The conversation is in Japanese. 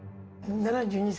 ７２歳？